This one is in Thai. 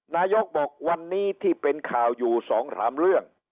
นายกบอกวันนี้ที่เป็นข่าวอยู่๒๓เรื่อง